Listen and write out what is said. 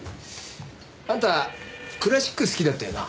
あんたクラシック好きだったよな？